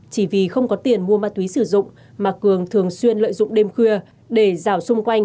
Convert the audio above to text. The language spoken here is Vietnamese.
chỉ vì không có tiền mua ma túy sử dụng mà cường thường xuyên lợi dụng đêm khuya để rào xung quanh